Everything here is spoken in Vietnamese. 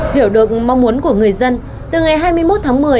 hiểu được mong muốn của người dân từ ngày hai mươi một tháng một mươi